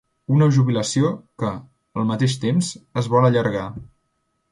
Una jubilació, que, al mateix temps, es vol allargar.